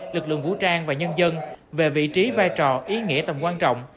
lực lượng vũ trang và nhân dân về vị trí vai trò ý nghĩa tầm quan trọng